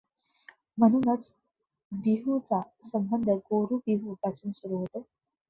म्हणुनच बिहूचा संबंध गोरु बिहू पासुन सुरु होतो.